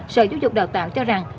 sở chú trục đạo tạo cho rằng